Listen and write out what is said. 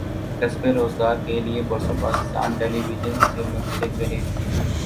کسبِ روزگارکے لیے برسوں پاکستان ٹیلی وژن سے منسلک رہے